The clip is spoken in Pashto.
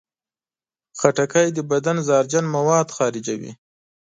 خټکی د بدن زهرجن مواد خارجوي.